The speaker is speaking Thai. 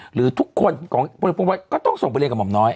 หรือทุกคนก็ต้องส่งไปเรียนกับม่อมน้อย